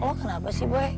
lo kenapa sih boy